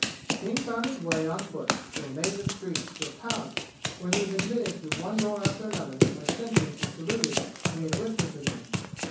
King found his way on foot through a maze of streets to a palace where he was admitted through one door after another by sentries who saluted when he had whispered to them.